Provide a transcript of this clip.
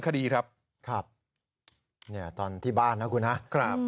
ครับเนี่ยตอนที่บ้านนะคุณฮะครับ